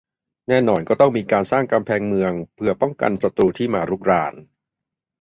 แน่นอนก็ต้องมีการสร้างกำแพงเมืองเผื่อป้องกันศัตรูที่มารุกราน